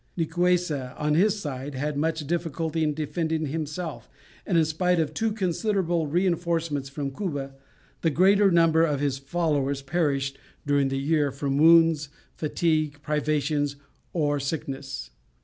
Nicuessa on his side, had much difficulty in defending himself, and in spite of two considerable reinforcements from Cuba, the greater number of his followers perished during the year from wounds, fatigue, privations, or sickness.